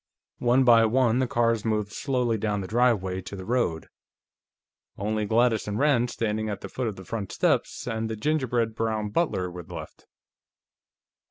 One by one the cars moved slowly down the driveway to the road. Only Gladys and Rand, standing at the foot of the front steps, and the gingerbread brown butler were left.